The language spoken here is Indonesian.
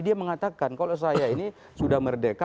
dia mengatakan kalau saya ini sudah merdeka